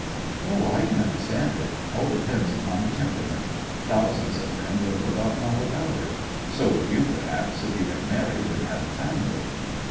'O, I can understand it. All depends upon the temperament. Thousands of men would have forgotten all about it; so would you, perhaps, if you had married and had a family.